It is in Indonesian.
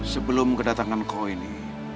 sebelum kedatangan kau ini